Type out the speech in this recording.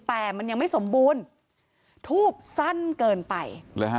แต่มันยังไม่สมบูรณ์ทูบสั้นเกินไป